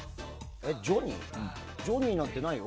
ジョニーなんてないよ。